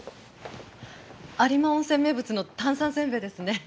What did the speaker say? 有馬温泉名物の炭酸せんべいですね。